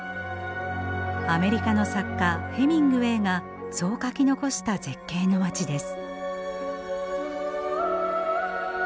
アメリカの作家ヘミングウェーがそう書き残した絶景の街です。